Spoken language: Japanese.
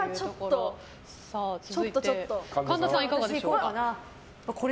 続いて神田さん、いかがでしょう。